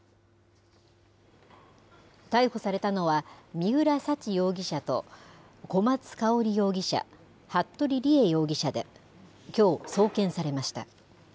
逮捕されたのは、三浦沙知容疑者と小松香織容疑者、服部理江容疑者で、きょう、送検されました。